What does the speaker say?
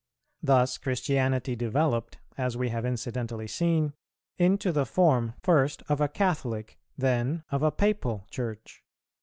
Thus Christianity developed, as we have incidentally seen, into the form, first, of a Catholic, then of a Papal Church.